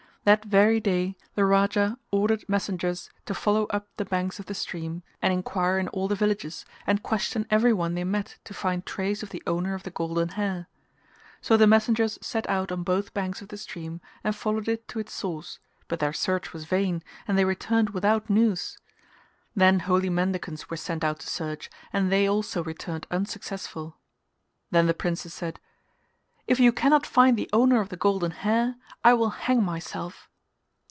That very day the Raja ordered messengers to follow up the banks of the stream and enquire in all the villages and question every one they met to find trace of the owner of the golden hair; so the messengers set out on both banks of the stream and followed it to its source but their search was vain and they returned without news; then holy mendicants were sent out to search and they also returned unsuccessful. Then the princess said "If you cannot find the owner of the golden hair I will hang myself!"